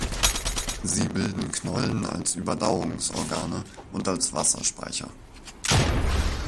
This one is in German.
Sie bilden Knollen als Überdauerungsorgane und als Wasserspeicher.